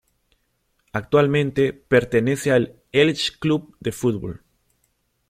Actualmente pertenece al Elche Club de Fútbol.